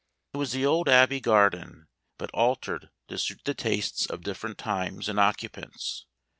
It was the old Abbey garden, but altered to suit the tastes of different times and occupants.